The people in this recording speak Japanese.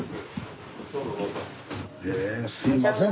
すいません